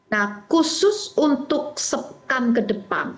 nah khusus untuk sepekan ke depan